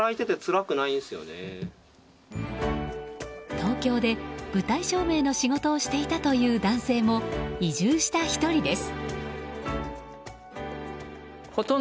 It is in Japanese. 東京で舞台照明の仕事をしていたという男性も移住した１人です。